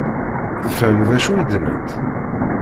Tefhem d acu i d-nnant?